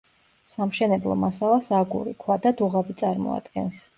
სამშენებლო მასალას აგური, ქვა და დუღაბი წარმოადგენს.